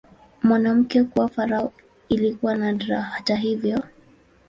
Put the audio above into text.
Mwanamke kuwa farao ilikuwa nadra, hata hivyo.